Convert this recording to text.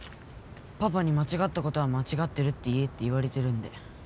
パパに間違ったことは間違ってるって言えって言われてるんで。